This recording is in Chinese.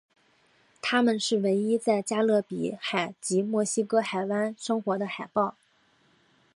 它们是唯一在加勒比海及墨西哥湾生活的海豹。